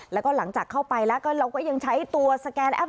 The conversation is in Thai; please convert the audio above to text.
แล้วก็หลังจากเข้าไปแล้วก็เราก็ยังใช้ตัวสแกนแอป